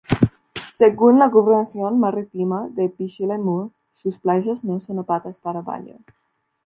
Según la Gobernación Marítima de Pichilemu, sus playas no son aptas para baño.